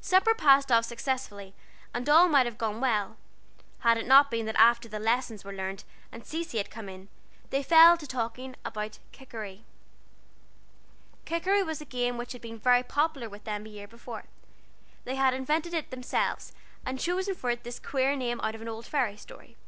Supper passed off successfully, and all might have gone well, had it not been that after the lessons were learned and Cecy had come in, they fell to talking about "Kikeri." Kikeri was a game which had been very popular with them a year before. They had invented it themselves, and chosen for it this queer name out of an old fairy story.